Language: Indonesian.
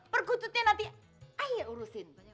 perkututnya nanti ayah urusin